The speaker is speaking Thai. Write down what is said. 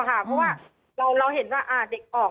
เพราะว่าเราเห็นว่าเด็กออก